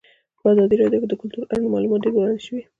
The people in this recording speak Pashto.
په ازادي راډیو کې د کلتور اړوند معلومات ډېر وړاندې شوي.